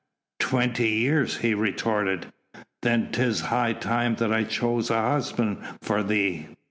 "Twenty years?" he retorted, "then 'tis high time that I chose a husband for thee."